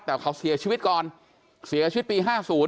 แต่เขาเสียชีวิตก่อนเสียชีวิตปี๕๐